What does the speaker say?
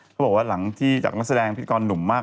เขาบอกว่าหลังที่จากนักแสดงพิธีกรหนุ่มมาก